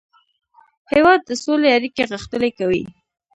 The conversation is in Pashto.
هېواد د سولې اړیکې غښتلې کوي.